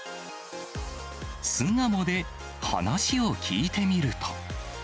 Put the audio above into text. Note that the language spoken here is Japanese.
巣鴨で話を聞いてみると。